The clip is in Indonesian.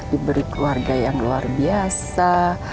diberi keluarga yang luar biasa